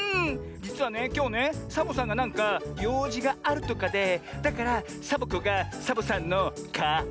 じつはねきょうねサボさんがなんかようじがあるとかでだからサボ子がサボさんのか・わ・り！